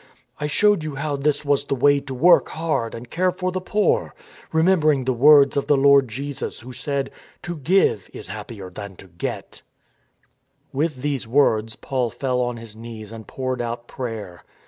I showed you how this was the way to work hard and care for the poor, remembering the words of the Lord Jesus, Who said, * To give is happier than to get' " With these words Paul fell on his knees and poured out prayer.